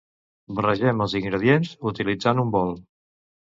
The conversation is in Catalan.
Barregem els ingredients utilitzant un bol.